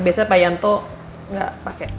biasanya pak yanto nggak pakai